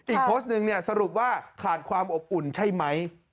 อีกโพสต์หนึ่งเนี่ยสรุปว่าขาดความอบอุ่นใช่ไหม